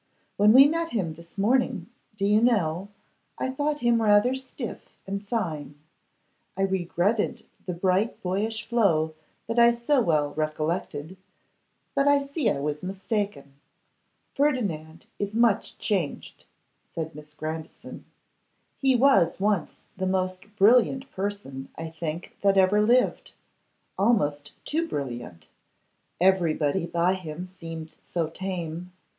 When we met him this morning, do you know, I thought him rather stiff and fine. I regretted the bright boyish flow that I so well recollected, but I see I was mistaken.' 'Ferdinand is much changed,' said Miss Grandison. 'He was once the most brilliant person, I think, that ever lived: almost too brilliant; everybody by him seemed so tame.